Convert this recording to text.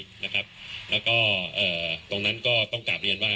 ตรงนี้นะครับแล้วก็ตรงนั้นต้องกลับเรียนว่า